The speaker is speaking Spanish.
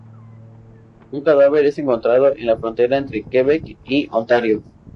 Un cadáver es encontrado en la frontera entre Quebec y Ontario.